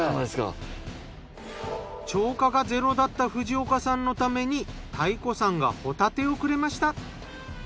釣果がゼロだった藤岡さんのために平子さんがホタテをくれました。